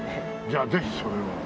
じゃあぜひそれを。